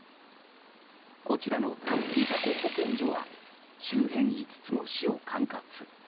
こちらの潮来保健所は周辺５つの市を管轄。